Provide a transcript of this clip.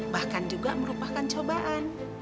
bahkan juga merupakan cobaan